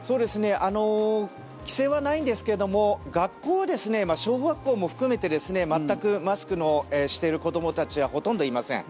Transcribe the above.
規制はないんですけれども学校は小学校も含めて全くマスクをしている子どもたちはほとんどいません。